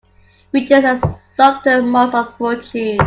Riches are the sumpter mules of fortune.